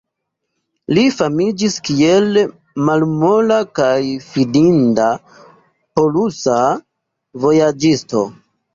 Li famiĝis kiel malmola kaj fidinda polusa vojaĝisto.